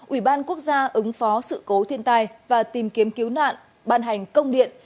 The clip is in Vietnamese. ủy ban quốc gia ứng phó sự cố thiên tai và tìm kiếm cứu nạn ban hành công điện